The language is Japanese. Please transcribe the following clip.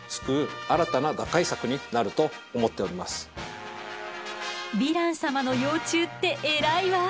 一次産業ヴィラン様の幼虫って偉いわ。